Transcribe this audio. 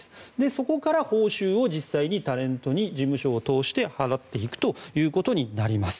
そこから報酬を実際にタレントに事務所を通して払っていくということになります。